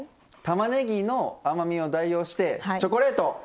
たまねぎの甘みを代用してチョコレート！